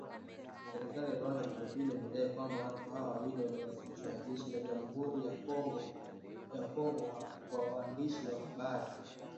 Serikali ya Rwanda vile vile imedai kwamba watu hao wawili waliowasilishwa na jeshi la Jamhuri ya kidemokrasia ya Kongo kwa waandishi wa habari.